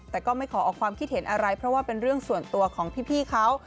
แต่ก็ไม่ขอออกความคิดเห็นอะไรเพราะว่าเป็นเรื่องส่วนตัวของพี่เขา